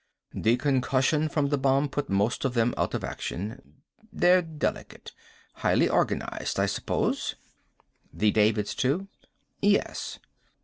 "The concussion from the bomb put most of them out of action. They're delicate. Highly organized, I suppose." "The Davids, too?" "Yes."